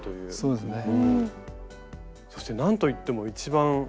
そうですね。